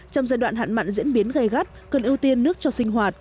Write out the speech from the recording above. trong giai đoạn hạn mặn diễn biến gây gắt cần ưu tiên nước cho sinh hoạt